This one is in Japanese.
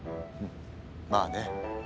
まあね。